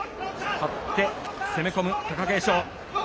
張って、攻め込む貴景勝。